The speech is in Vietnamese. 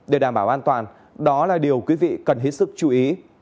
để đảm bảo an toàn đó là điều quý vị cần hết sức chú ý